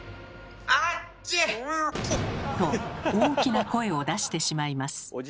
アッチィ！と大きな声を出してしまいます。